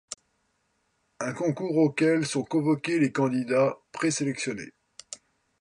Un concours auquel sont convoqués les candidats présélectionnés.